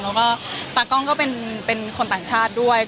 แล้วก็ตากล้องก็เป็นคนต่างชาติด้วย